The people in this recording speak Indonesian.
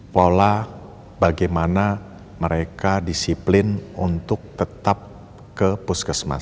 pola bagaimana mereka disiplin untuk tetap ke puskesmas